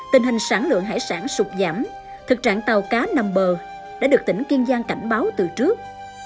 tình hình sản lượng hải sản sụp giảm được tỉnh kiên giang cảnh báo từ trước